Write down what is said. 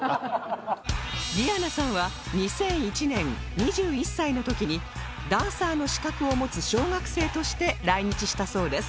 ディアナさんは２００１年２１歳の時にダンサーの資格を持つ奨学生として来日したそうです